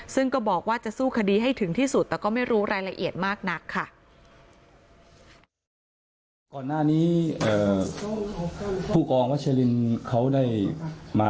ซึ่งก็บอกว่าจะสู้คดีให้ถึงที่สุดแต่ก็ไม่รู้รายละเอียดมากนักค่ะ